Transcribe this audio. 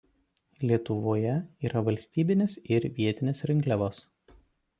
Lietuvoje yra valstybinės ir vietinės rinkliavos.